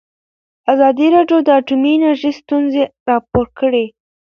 ازادي راډیو د اټومي انرژي ستونزې راپور کړي.